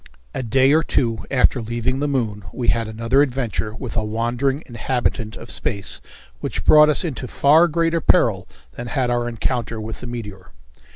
A day or two after leaving the moon we had another adventure with a wandering inhabitant of space which brought us into far greater peril than had our encounter with the meteor.